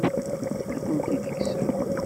Ad tent-id-tekksem?